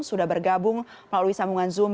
sudah bergabung melalui sambungan zoom